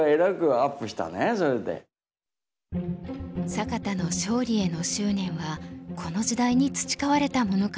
坂田の勝利への執念はこの時代に培われたものかもしれません。